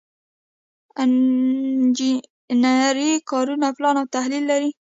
انجنري کارونه پلان او تحلیل لري.